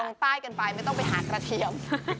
ลงใต้กันไปไม่ต้องไปหากระเทียม